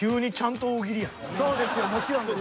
そうですよもちろんです。